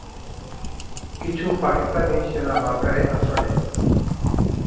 কিছু পাকিস্তানি সেনা বাংকারে আশ্রয় নেয়।